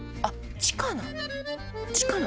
地下なの？